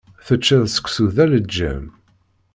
Teččiḍ seksu d aleǧǧam.